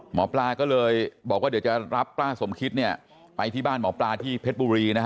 หมอปลาก็เลยบอกว่าเดี๋ยวจะรับป้าสมคิตเนี่ยไปที่บ้านหมอปลาที่เพชรบุรีนะฮะ